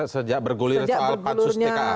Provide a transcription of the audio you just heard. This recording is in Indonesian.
sejak bergulir soal pansus tka